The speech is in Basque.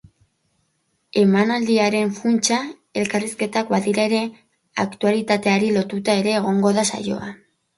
Emanaldiaren funtsa elkarrizketak badira ere, aktualitateari lotuta ere egongo da saioa.